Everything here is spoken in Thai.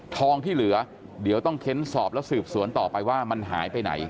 ที่เหลือเดี๋ยวต้องเค้นสอบและสืบสวนต่อไปว่ามันหายไปไหน